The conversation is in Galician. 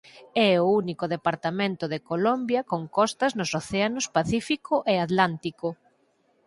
É o único departamento de Colombia con costas nos océanos Pacífico e Atlántico.